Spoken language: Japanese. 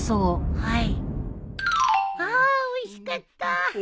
はい。